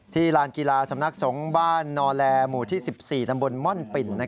ลานกีฬาสำนักสงฆ์บ้านนอแลหมู่ที่๑๔ตำบลม่อนปิ่น